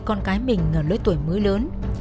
con cái mình ở lưới tuổi mới lớn